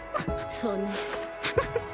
そうね。